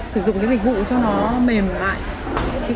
sử dụng cái dịch vụ